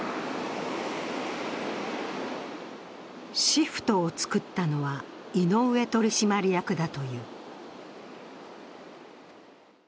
シフトを作ったのは井上取締役だという。